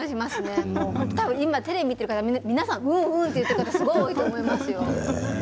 テレビを見てる方皆さん、うん、と言ってる方すごい多いと思いますよ。